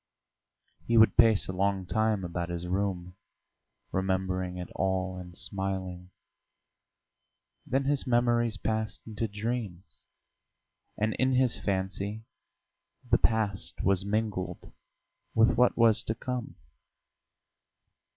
He would pace a long time about his room, remembering it all and smiling; then his memories passed into dreams, and in his fancy the past was mingled with what was to come.